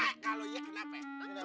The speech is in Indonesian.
hah kalau iya kenapa ya